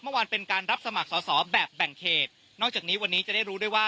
เป็นการรับสมัครสอสอแบบแบ่งเขตนอกจากนี้วันนี้จะได้รู้ด้วยว่า